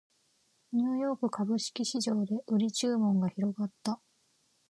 ニューヨーク株式市場で売り注文が広がった